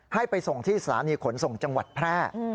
ให้ไปส่งที่สถานีขนส่งจังหวัดแพร่